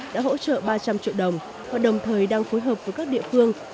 đã hỗ trợ ba trăm linh triệu đồng và đồng thời đang phối hợp với các địa phương